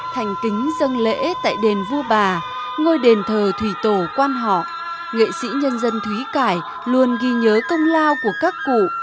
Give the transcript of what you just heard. thành kính dân lễ tại đền vua bà ngôi đền thờ thủy tổ quan họ nghệ sĩ nhân dân thúy cải luôn ghi nhớ công lao của các cụ